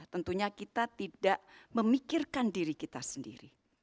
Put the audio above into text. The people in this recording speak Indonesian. tentunya kita tidak memikirkan diri kita sendiri